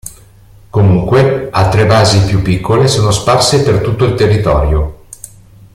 Comunque, altre basi più piccole sono sparse per tutto il territorio.